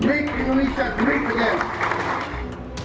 make indonesia great again